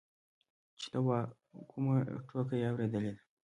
چې ته وا کومه ټوکه يې اورېدلې ده.